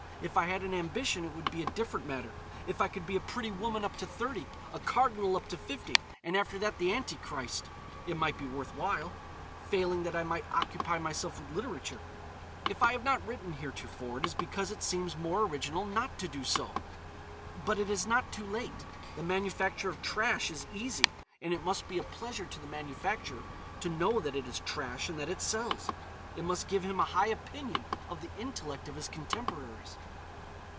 If I had an ambition it would be a different matter. If I could be a pretty woman up to thirty, a cardinal up to fifty, and after that the Anti Christ, it might be worth while. Failing that I might occupy myself with literature. If I have not written heretofore, it is because it seems more original not to do so. But it is not too late. The manufacture of trash is easy, and it must be a pleasure to the manufacturer to know that it is trash and that it sells. It must give him a high opinion of the intellect of his contemporaries.